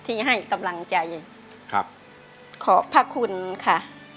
สีหน้าร้องได้หรือว่าร้องผิดครับ